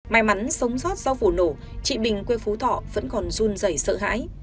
may mắn sống sót sau vụ nổ chị bình quê phú thọ vẫn còn run dày sợ hãi